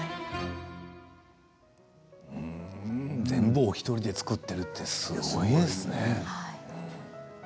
全部お一人で作っているってすごいですね。